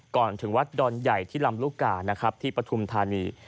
ก่อนถึงวัดดอนใหญ่ที่ลำลูกกานะครับที่ปฐุมธานี